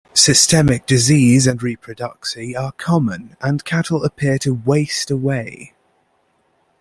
Systemic disease and reproductie are common, and cattle appear to waste away.